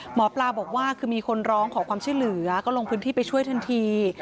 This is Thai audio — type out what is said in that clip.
หมอปลาบอกว่าคือมีคนร้องขอความช่วยเหลือก็ลงพื้นที่ไปช่วยทันที